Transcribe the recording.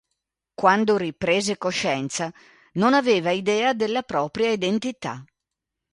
Quando riprese coscienza, non aveva idea della propria identità.